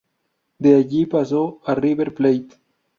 De allí pasó a River Plate.